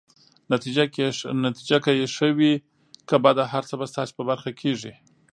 نتیجه که يې ښه وي که بده، هر څه به ستاسي په برخه کيږي.